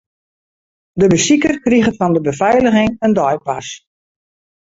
De besiker kriget fan de befeiliging in deipas.